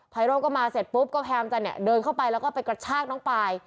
โร่ก็มาเสร็จปุ๊บก็พยายามจะเนี่ยเดินเข้าไปแล้วก็ไปกระชากน้องปาย